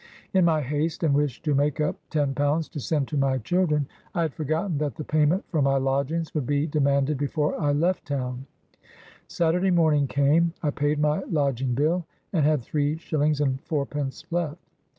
In my haste and wish to make up ten pounds to send to my children, I had for gotten that the payment for my lodgings would be demanded before I left town. Saturday morning came; I paid my lodging bill, and had three shillings and fourpence left.